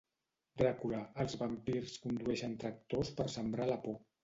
Dràcula: els vampirs condueixen tractors per sembrar la por.